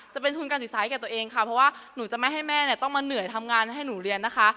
จะเป็นทุนการศึกษาให้แก่ตัวเองค่ะเพราะว่าหนูจะไม่ให้แม่เนี่ยต้องมาเหนื่อยทำงานให้หนูเรียนนะคะ